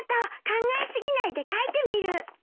考え過ぎないで書いてみる。